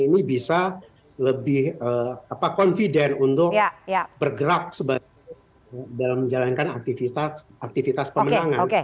ini bisa lebih confident untuk bergerak dalam menjalankan aktivitas pemenangan